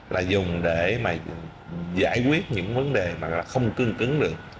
là dùng để mà giải quyết những vấn đề mà không cương cứng được